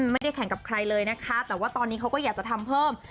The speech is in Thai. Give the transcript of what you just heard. ไม่ได้แข่งกับใครเลยนะคะแต่ว่าตอนนี้เขาก็อยากจะทำเพิ่ม